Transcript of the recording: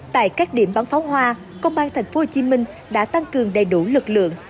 tại các điểm bắn pháo hoa công an thành phố hồ chí minh đã tăng cường đầy đủ lực lượng